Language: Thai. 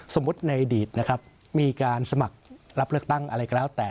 สมมุติในอดีตมีการสมัครรับเลือกตั้งอะไรก็แล้วแต่